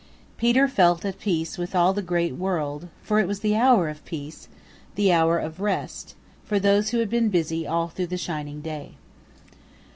Peter felt at peace with all the Great World, for it was the hour of peace, the hour of rest for those who had been busy all through the shining day.